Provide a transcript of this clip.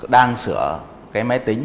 đang sửa cái máy tính